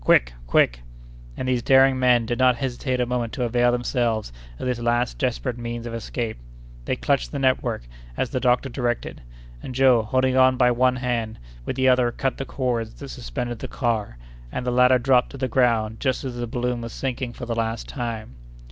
Quick! quick!" And these daring men did not hesitate a moment to avail themselves of this last desperate means of escape. They clutched the network, as the doctor directed, and Joe, holding on by one hand, with the other cut the cords that suspended the car; and the latter dropped to the ground just as the balloon was sinking for the last time.